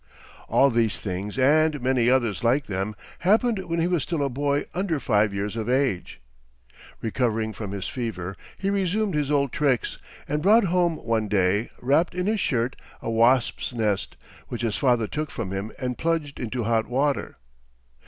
All these things, and many others like them, happened when he was still a boy under five years of age. Recovering from his fever he resumed his old tricks, and brought home one day, wrapped in his shirt, a wasp's nest, which his father took from him and plunged into hot water.